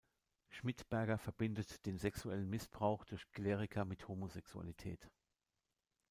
Schmidberger verbindet den sexuellen Missbrauch durch Kleriker mit Homosexualität.